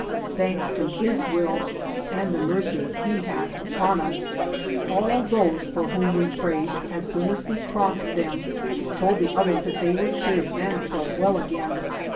Thanks to His will and the mercy He had upon us, all those for whom we prayed, as soon as we crossed them, told the others that they were cured and felt well again.